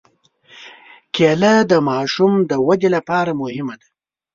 کېله د ماشوم د ودې لپاره مهمه ده.